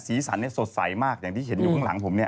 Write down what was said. สันสดใสมากอย่างที่เห็นอยู่ข้างหลังผมเนี่ย